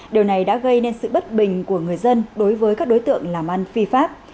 điều này đã gây nên sự bất bình của người dân đối với các đối tượng làm ăn phi pháp